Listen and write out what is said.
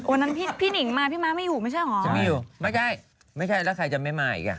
วันนั้นพี่หนิงมาพี่ม้าไม่อยู่ไม่ใช่เหรอจะไม่อยู่ไม่ใช่ไม่ใช่แล้วใครจะไม่มาอีกอ่ะ